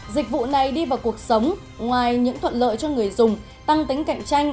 dịch vụ này đi vào cuộc sống ngoài những thuận lợi cho người dùng tăng tính cạnh tranh